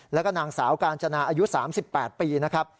แล้วก็นางสาวกาญจนาอายุ๓๘ปีนะครับ